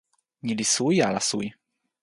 ni li suwi ala suwi?